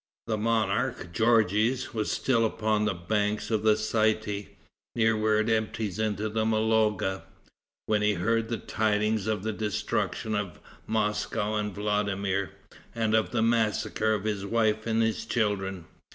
The monarch, Georges, was still upon the banks of the Sité, near where it empties into the Mologa, when he heard the tidings of the destruction of Moscow and Vladimir, and of the massacre of his wife and his children.